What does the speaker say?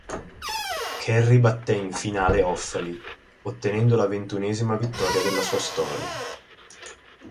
Kerry batté in finale Offaly ottenendo la ventunesima vittoria della sua storia.